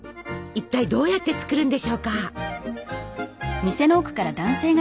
一体どうやって作るんでしょうか？